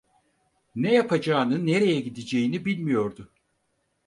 Ne yapacağını, nereye gideceğini bilmiyordu.